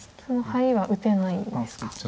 そのハイは打てないんですか。